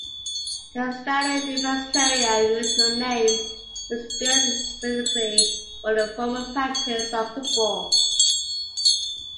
The Estadio Universitario, original name, was built specifically for the former practice of football.